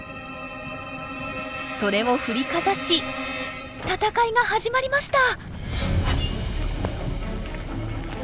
それを振りかざし闘いが始まりました！